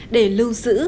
để lưu giữ